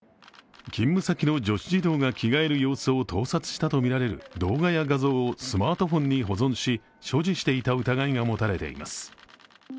勤務先の女子児童が着替える様子を盗撮したとみられる動画や画像をスマートフォンに保存し、所持していた疑いが持たれています。